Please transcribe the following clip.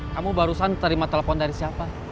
kamu barusan terima telepon dari siapa